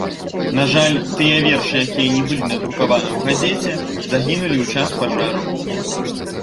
На жаль, тыя вершы, якія не былі надрукаваны ў газеце, загінулі ў час пажару.